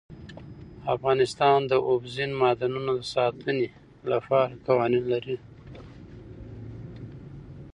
افغانستان د اوبزین معدنونه د ساتنې لپاره قوانین لري.